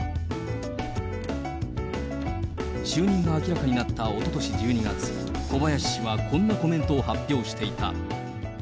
就任が明らかになったおととし１２月、小林氏はこんなコメントを発表していた。